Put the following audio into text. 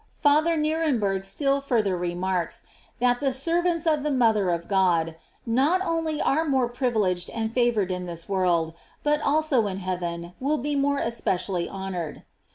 J Father Kierembergh still further remarks, that the ser vants of the mother of God not only are more privileged and favored in this world, but also in heaven will be more especially honored.